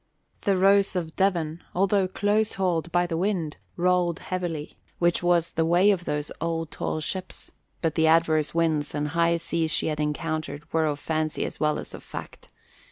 The Rose of Devon, although close hauled by the wind, rolled heavily, which was the way of those old tall ships; but the adverse winds and high seas she had encountered were of fancy as well as of fact.